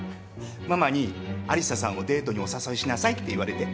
ママに有沙さんをデートにお誘いしなさいって言われて。